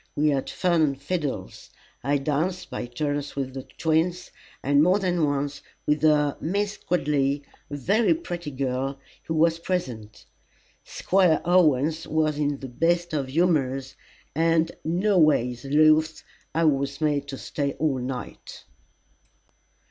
We had fun and fiddles. I danced by turns with the twins, and more than once with a Miss Gridley, a very pretty girl, who was present. Squire Owens was in the best of humours, and, no ways loth, I was made to stay all night.